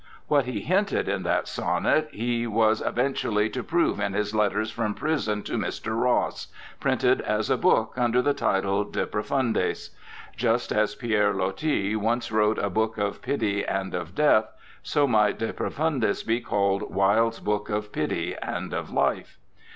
What he hinted in that sonnet he was eventually to prove in his letters from prison to Mr. Ross, printed as a book under the title "De Profundis." Just as Pierre Loti once wrote a Book of Pity and of Death, so might "De Profundis" be called Wilde's Book of Pity and of Life.